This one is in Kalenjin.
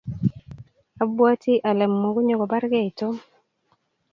abwatii ale mokunyo kobargei Tom.